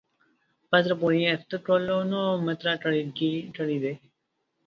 په زړه پورې اټکلونه مطرح کړي دي.